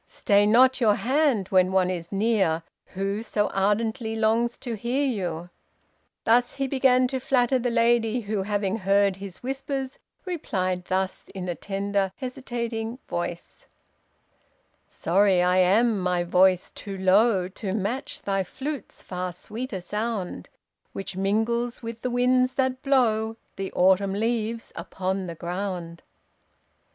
Stay not your hand when one is near, who so ardently longs to hear you.' Thus he began to flatter the lady, who, having heard his whispers, replied thus, in a tender, hesitating voice: 'Sorry I am my voice too low To match thy flute's far sweeter sound; Which mingles with the winds that blow The Autumn leaves upon the ground.'